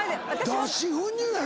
脱脂粉乳やろ？